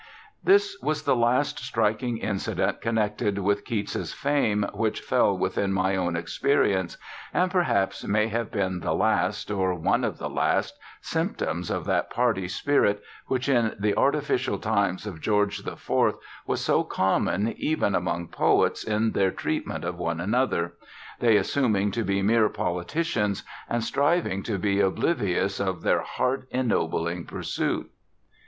This was the last striking incident connected with Keats's fame which fell within my own experience, and perhaps may have been the last, or one of the last, symptoms of that party spirit which in the artificial times of George IV. was so common even among poets in their treatment of one another, they assuming to be mere politicians, and striving to be oblivious of their heart ennobling pursuit.